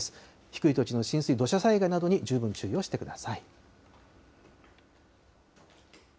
低い土地の浸水、土砂災害などに十分注意をしてください。